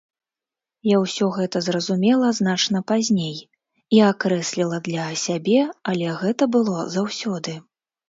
Я ўсё гэта зразумела значна пазней і акрэсліла для сябе, але гэта было заўсёды.